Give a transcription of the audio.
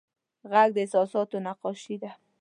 غږ د احساساتو نقاشي ده